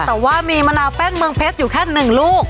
แต่ว่ามีมะนาวแป้งเมืองเพชรอยู่แค่๑ลูก